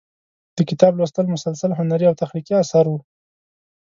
د کتاب لوست مسلسل هنري او تخلیقي اثر و.